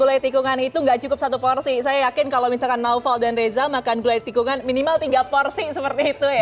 gulai tikungan itu nggak cukup satu porsi saya yakin kalau misalkan naufal dan reza makan gulai tikungan minimal tiga porsi seperti itu ya